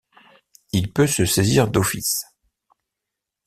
Il peut se saisir d'office.